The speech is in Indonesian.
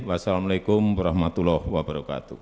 wassalamu alaikum warahmatullahi wabarakatuh